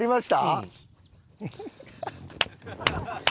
うん。